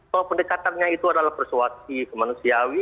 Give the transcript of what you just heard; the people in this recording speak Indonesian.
kalau pendekatannya itu adalah persuasi kemanusiawi